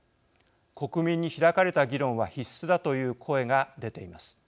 国民に開かれた議論は必須だという声が出ています。